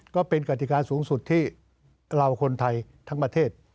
ก็เป็นกติกาสูงสุดที่เราคนไทยทั้งประเทศ